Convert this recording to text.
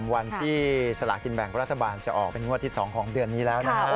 วันที่สลากินแบ่งรัฐบาลจะออกเป็นงวดที่๒ของเดือนนี้แล้วนะครับ